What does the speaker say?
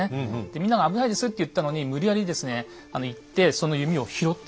でみんなが「危ないです」と言ったのに無理やりですね行ってその弓を拾ってきたんです。